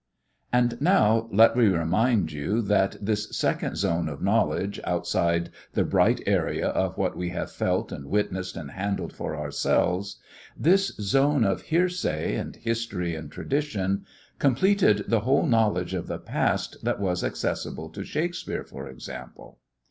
And now let me remind you that this second zone of knowledge outside the bright area of what we have felt and witnessed and handled for ourselves this zone of hearsay and history and tradition completed the whole knowledge of the past that was accessible to Shakespeare, for example.